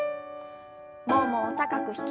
ももを高く引き上げて。